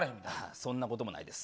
そんなこともないです。